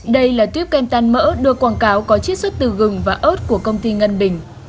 đây là tuyếp kem tăn mỡ được quảng cáo có chiết xuất từ gừng và ớt của công ty ngân bình